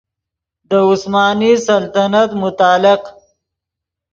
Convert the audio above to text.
دے عثمانی سلطنت متعلق